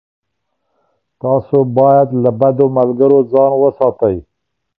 تاسو باید له بدو ملګرو ځان وساتئ.